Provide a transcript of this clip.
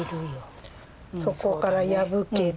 そこから破ける。